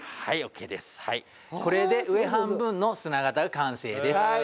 これで上半分の砂型が完成です。